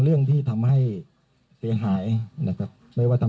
ส่วนบุคคลที่จะถูกดำเนินคดีมีกี่คนและจะมีพี่เต้ด้วยหรือเปล่า